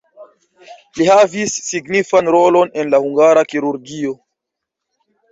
Li havis signifan rolon en la hungara kirurgio.